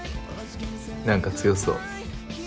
何か強そう。